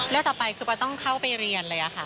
ต่อไปคือปอต้องเข้าไปเรียนเลยค่ะ